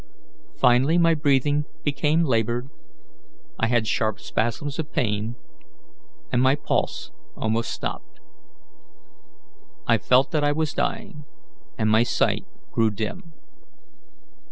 Finally my breathing became laboured, I had sharp spasms of pain, and my pulse almost stopped. I felt that I was dying, and my sight grew dim.